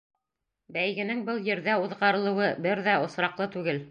Бәйгенең был ерҙә уҙғарылыуы бер ҙә осраҡлы түгел.